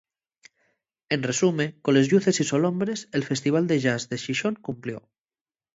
En resume, coles lluces y solombres, el festival de jazz de Xixón cumplió.